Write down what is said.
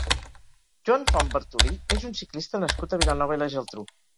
Joan Font Bertolí és un ciclista nascut a Vilanova i la Geltrú.